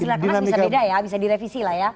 hasil rakenas bisa beda ya bisa direvisi lah ya